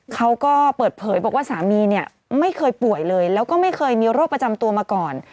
เขาก็เปิดเผยบอกว่าสามีเนี่ยไม่เคยป่วยเลยแล้วก็ไม่เคยมีโรคประจำตัวมาก่อน